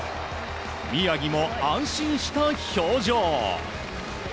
宮城も安心した表情。